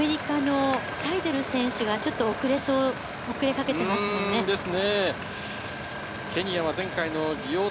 アメリカのサイデル選手が少し遅れかけていますね。